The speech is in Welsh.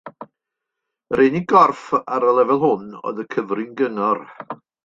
Yr unig gorff ar y lefel hwn oedd y Cyfrin-gyngor.